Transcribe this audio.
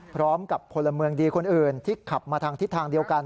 พร้อมกับพลเมืองดีคนอื่นที่ขับมาทางทิศทางเดียวกัน